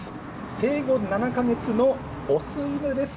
生後７か月の雄犬です。